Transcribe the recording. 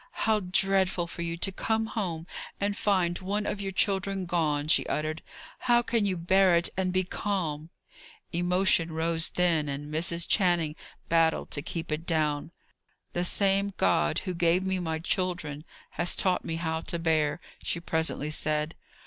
"How dreadful for you to come home and find one of your children gone!" she uttered. "How can you bear it and be calm!" Emotion rose then, and Mrs. Channing battled to keep it down. "The same God who gave me my children, has taught me how to bear," she presently said.